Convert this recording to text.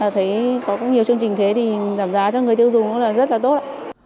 thấy có cũng nhiều chương trình thế thì giảm giá cho người tiêu dùng cũng là rất là tốt